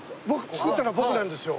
作ったのは僕なんですよ。